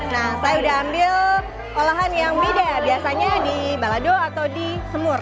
nah saya udah ambil olahan yang beda biasanya di balado atau di semur